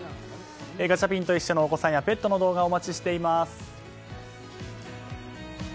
ガチャピンといっしょ！のお子さんやペットの動画をお待ちしています。